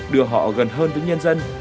đưa họ gần hơn với nhân dân